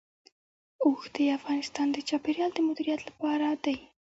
اوښ د افغانستان د چاپیریال د مدیریت لپاره دی.